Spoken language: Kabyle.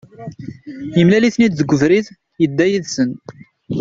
Yemlal-iten-id deg ubrid, yedda yid-sen.